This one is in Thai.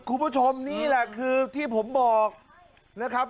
คุณผู้ชมนี่แหละคือที่ผมบอกนะครับ